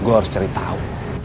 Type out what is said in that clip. gua harus cari tau